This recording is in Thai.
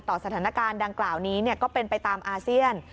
สถานการณ์ดังกล่าวนี้ก็เป็นไปตามอาเซียน